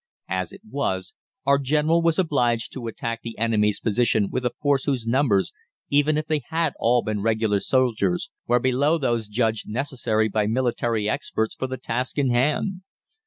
As it was, our General was obliged to attack the enemy's position with a force whose numbers, even if they had been all regular soldiers, were below those judged necessary by military experts for the task in hand.